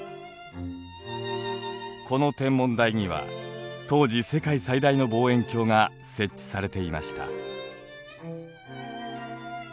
この天文台には当時世界最大の望遠鏡が設置されていました。